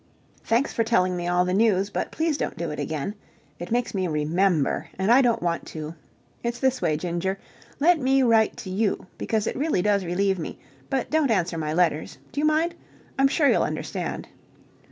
Thanks for telling me all the news, but please don't do it again. It makes me remember, and I don't want to. It's this way, Ginger. Let me write to you, because it really does relieve me, but don't answer my letters. Do you mind? I'm sure you'll understand.